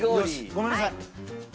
ごめんなさい。